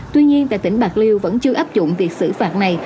tuy nhiên tại tỉnh bạc liêu vẫn chưa áp dụng việc xử phạt này